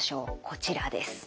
こちらです。